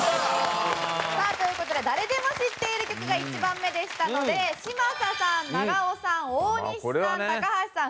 さあという事で誰でも知っている曲が１番目でしたので嶋佐さん長尾さん大西さん高橋さん